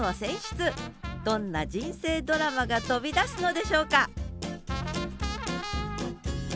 どんな人生ドラマが飛び出すのでしょうか